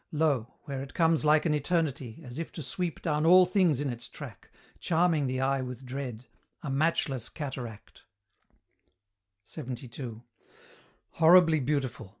Lo! where it comes like an eternity, As if to sweep down all things in its track, Charming the eye with dread, a matchless cataract, LXXII. Horribly beautiful!